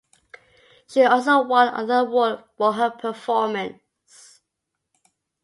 She also won other award for her performance.